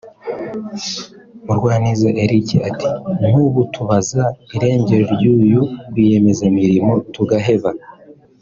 Mugwaneza Eric ati “N’ubu tubaza irengero ry’uyu rwiyemezamirimo tugaheba